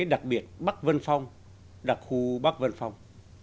đặc biệt bắc vân phong đặc khu bắc vân phong